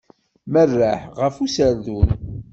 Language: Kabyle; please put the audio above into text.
Merreḥ ɣef userdun.